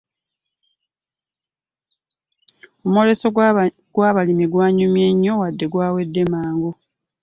Omwoleso gw'abalimi gwanyumye nnyo wadde gwawedde mangu.